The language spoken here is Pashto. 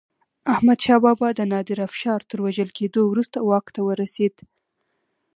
احمدشاه بابا د نادر افشار تر وژل کېدو وروسته واک ته ورسيد.